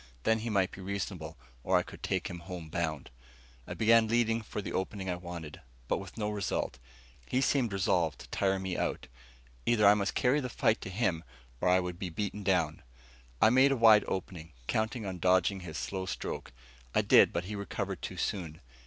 Then he might be reasonable, or I could take him home bound. I began leading for the opening I wanted, but with no result. He seemed resolved to tire me out. Either I must carry the fight to him, or I would be beaten down. I made a wide opening, counting on dodging his slow stroke. I did, but he recovered too soon.